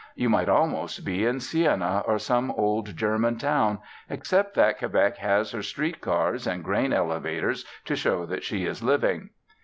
You might almost be in Siena or some old German town, except that Quebec has her street cars and grain elevators to show that she is living.